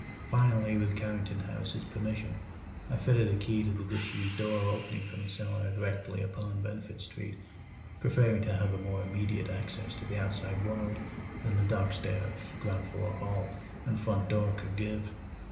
Finally, with Carrington Harris's permission, I fitted a key to the disused door opening from the cellar directly upon Benefit Street, preferring to have a more immediate access to the outside world than the dark stairs, ground floor hall, and front door could give.